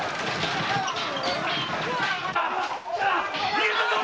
逃げたぞ！